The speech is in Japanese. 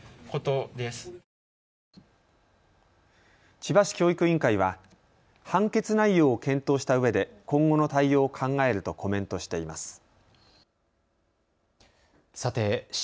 千葉市教育委員会は判決内容を検討したうえで今後の対応を考えるとコメントしています。